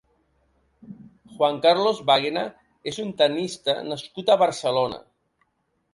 Juan Carlos Báguena és un tennista nascut a Barcelona.